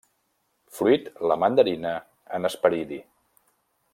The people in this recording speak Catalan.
Fruit, la mandarina, en hesperidi.